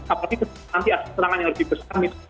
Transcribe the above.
apalagi nanti aset terangannya lebih besar